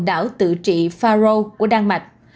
đảo tự trị faro của đan mạch